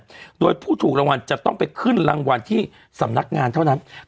ด้วยผู้ถูกรางวัลจะต้องไปขึ้นรางวัลที่สำนักงานเท่านั้น